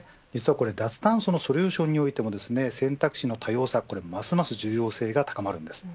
脱炭素のソリューションにおいても選択肢の多様さますます重要性が高まります。